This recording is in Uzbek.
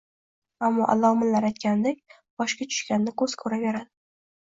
Ammo allomalar aytganiday, boshga tushganini ko`z ko`raveradi